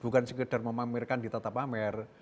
bukan sekedar memamerkan di tata pamer